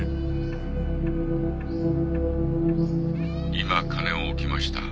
今金を置きました。